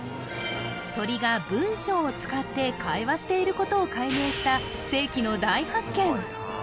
鳥が文章を使って会話していることを解明した世紀の大発見